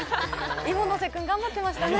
イモノセ君、頑張ってましたね。